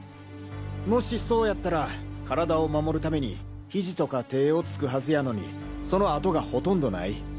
もしそうやったら体を守るためにヒジとか手をつくはずやのにその痕がほとんどない。